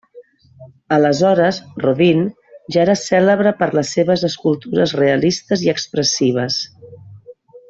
Aleshores, Rodin ja era cèlebre per les seves escultures realistes i expressives.